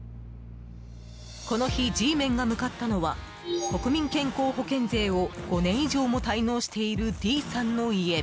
この日、Ｇメンが向かったのは国民健康保険税を５年以上も滞納しているＤさんの家。